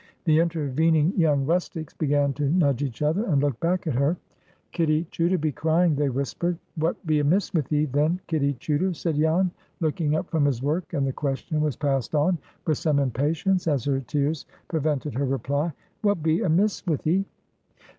The intervening young rustics began to nudge each other and look back at her. "Kitty Chuter be crying!" they whispered. "What be amiss with 'ee, then, Kitty Chuter?" said Jan, looking up from his work; and the question was passed on with some impatience, as her tears prevented her reply. "What be amiss with 'ee?"